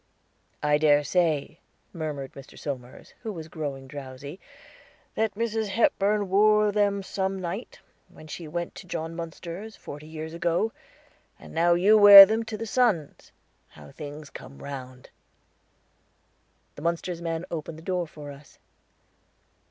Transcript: "I dare say," murmured Mr. Somers, who was growing drowsy, "that Mrs. Hepburn wore them some night, when she went to John Munster's, forty years ago, and now you wear them to the son's. How things come round!" The Munsters' man opened the door for us.